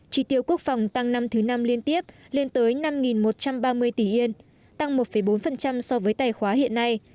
trị tiêu quốc phòng tăng năm thứ năm liên tiếp lên tới năm một trăm ba mươi tỷ yên tăng một bốn so với tài khoá hiện nay